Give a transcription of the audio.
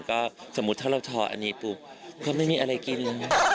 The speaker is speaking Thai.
ก็สมมุติถ้าเราทออันนี้ปุ๊บก็ไม่มีอะไรกิน